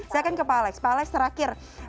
saya akan ke pahaleks pahaleks terakhir